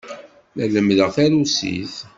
La lemmdeɣ tarusit.